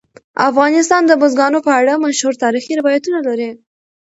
افغانستان د بزګانو په اړه مشهور تاریخی روایتونه لري.